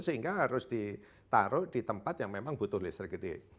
sehingga harus ditaruh di tempat yang memang butuh listrik gede